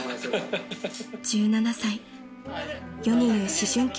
［１７歳世に言う思春期の大介君］